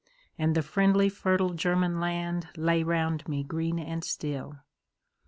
And the friendly fertile German land Lay round me green and still.